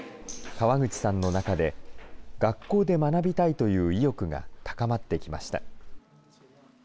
川口さんの中で、学校で学びたいという意欲が高まってきました。